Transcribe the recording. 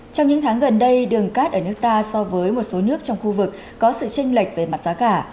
trong những tháng gần đây đường cát ở nước ta so với một số nước trong khu vực có sự tranh lệch về mặt giá cả